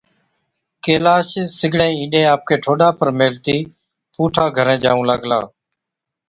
ڪيلاش سِگڙين اِينڏين آپڪي ٺوڏا پر ميهلتِي پُوٺا گھرين جائُون لاگلا۔